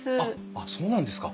あっそうなんですか！